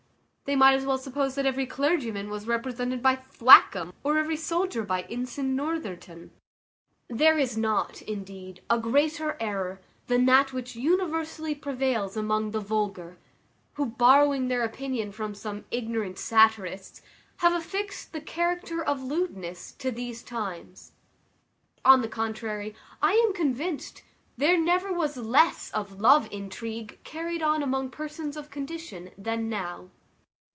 They might as well suppose that every clergyman was represented by Thwackum, or every soldier by ensign Northerton. There is not, indeed, a greater error than that which universally prevails among the vulgar, who, borrowing their opinion from some ignorant satirists, have affixed the character of lewdness to these times. On the contrary, I am convinced there never was less of love intrigue carried on among persons of condition than now.